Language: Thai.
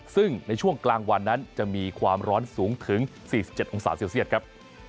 ซึ่งในช่วงกลางวันนั้นจะมีความร้อนสูงถึง๔๗องศาเซลเซียตครับ